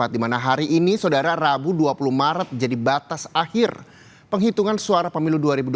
di mana hari ini saudara rabu dua puluh maret jadi batas akhir penghitungan suara pemilu dua ribu dua puluh